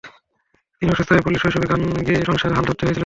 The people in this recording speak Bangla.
তিনি অসুস্থ হয়ে পড়লে শৈশবেই গান গেয়ে সংসারের হাল ধরতে হয়েছিল তাঁকে।